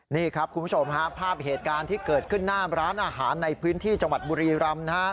นี่ครับคุณผู้ชมฮะภาพเหตุการณ์ที่เกิดขึ้นหน้าร้านอาหารในพื้นที่จังหวัดบุรีรำนะครับ